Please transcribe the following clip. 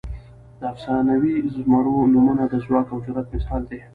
د افسانوي زمرو نومونه د ځواک او جرئت مثال دي.